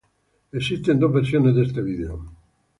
Existe dos versiones de este video.